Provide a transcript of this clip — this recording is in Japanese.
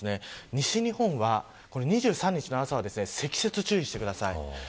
西日本は２３日の朝は積雪注意してください。